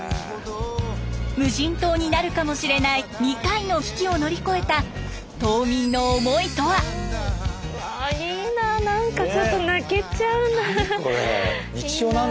無人島になるかもしれない２回の危機を乗り越えたいいな何かちょっと泣けちゃうな。